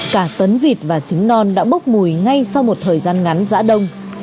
cả tấn vịt và trứng non đã bốc mùi ngay sau một thời gian ngắn giã đông